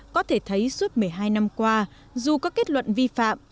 có thể thấy suốt một mươi hai năm qua dù có kết luận vi phạm